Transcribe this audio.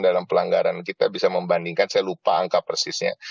dalam pelanggaran kita bisa membandingkan saya lupa angka persisnya